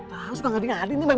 pak bos gue gak dengar ini